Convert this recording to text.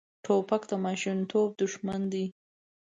توپک د ماشومتوب دښمن دی.